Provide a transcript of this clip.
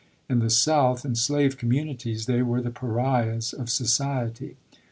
In the South, in slave communities, they were the Pariahs of society.